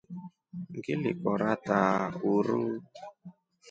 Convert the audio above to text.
Ngili kora taa uruu.